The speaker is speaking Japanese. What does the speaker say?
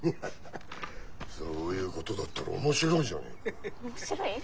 そういうことだったら面白いじゃねえか。